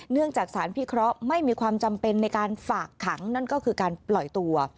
จากสารพิเคราะห์ไม่มีความจำเป็นในการฝากขังนั่นก็คือการปล่อยตัว